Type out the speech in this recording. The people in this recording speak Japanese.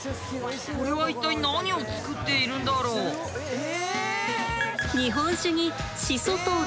これは一体何を作っているんだろう？え！